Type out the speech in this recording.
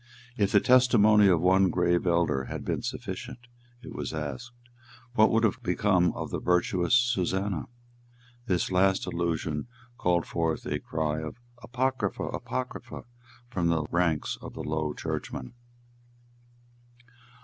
"If the testimony of one grave elder had been sufficient," it was asked, "what would have become of the virtuous Susannah?" This last allusion called forth a cry of "Apocrypha, Apocrypha," from the ranks of the Low Churchmen.